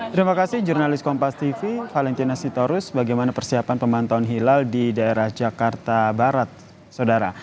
terima kasih jurnalis kompas tv valentina sitorus bagaimana persiapan pemantauan hilal di daerah jakarta barat saudara